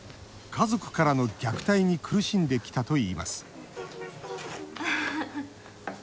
家族からの虐待に苦しんできたといいます。